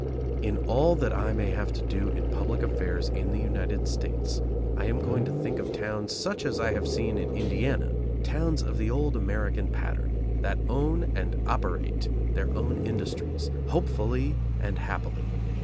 In all that I may have to do in public affairs in the United States I am going to think of towns such as I have seen in Indiana, towns of the old American pattern, that own and operate their own industries, hopefully and happily.